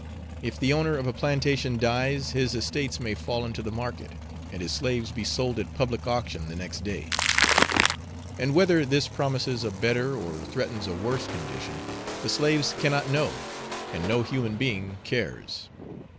If the owner of a plantation dies, his estates may fall into the market, and his slaves be sold at public auction the next day; and whether this promises a better, or threatens a worse condition, the slaves cannot know, and no human being cares.